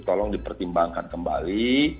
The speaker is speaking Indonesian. tolong dipertimbangkan kembali